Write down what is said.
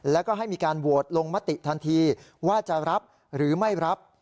แล้วก็ให้มีการโหวตลงมติทันทีว่าจะรับหรือไม่รับ